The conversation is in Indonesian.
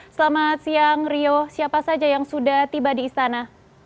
selamat siang rio siapa saja yang sudah tiba di istana